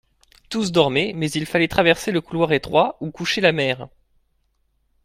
Tous dormaient, mais il fallait traverser le couloir étroit, où couchait la mère.